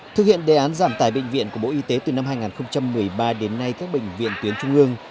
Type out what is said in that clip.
thực hiện đề án giảm tải bệnh viện của bộ y tế từ năm hai nghìn một mươi ba đến nay các bệnh viện tuyến trung ương